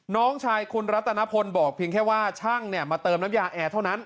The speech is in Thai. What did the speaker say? น้องชายคุณรัตนพลบอกเพียงแค่ว่าช่างมาเติมน้ำยาแอร์เท่านั้น